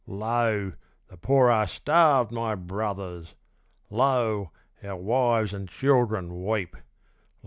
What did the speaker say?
Lo! the poor are starved, my brothers! lo! our wives and children weep!